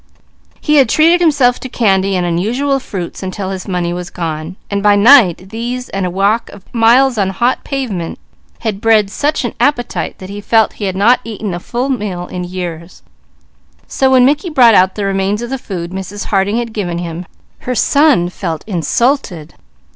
He had treated himself to candy and unusual fruits until his money was gone, while by night these and a walk of miles on hot pavement had bred such an appetite that he felt he had not eaten a full meal in years, so when Mickey brought out the remains of the food Mrs. Harding had given him, her son felt insulted.